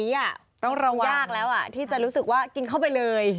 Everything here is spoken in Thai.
อยากที่จะรู้สึกว่ากินเข้าไปเลย